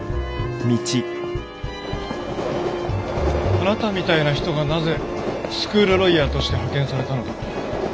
あなたみたいな人がなぜスクールロイヤーとして派遣されたのか。